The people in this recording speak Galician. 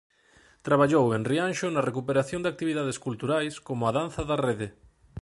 Traballou en Rianxo na recuperación de actividades culturais como a danza da rede.